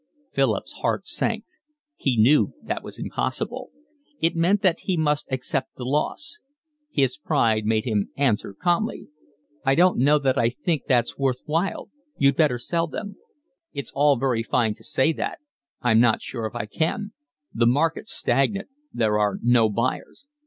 Philip's heart sank. He knew that was impossible. It meant that he must accept the loss. His pride made him answer calmly. "I don't know that I think that's worth while. You'd better sell them." "It's all very fine to say that, I'm not sure if I can. The market's stagnant, there are no buyers."